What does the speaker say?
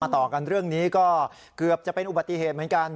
ต่อกันเรื่องนี้ก็เกือบจะเป็นอุบัติเหตุเหมือนกัน